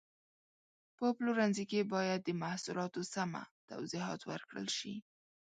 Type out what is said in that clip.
په پلورنځي کې باید د محصولاتو سمه توضیحات ورکړل شي.